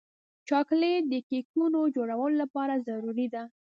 چاکلېټ د کیکونو جوړولو لپاره ضروري دی.